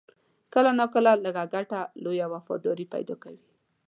کله ناکله لږ ګټه، لویه وفاداري پیدا کوي.